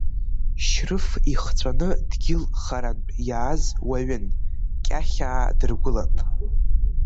Шьрыф, ихҵәаны дгьыл харантә иааз уаҩын, Кьахьаа дыргәылан.